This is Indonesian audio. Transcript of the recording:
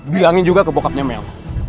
biangin juga ke bokapnya mel